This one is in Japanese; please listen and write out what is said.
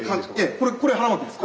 これ腹巻です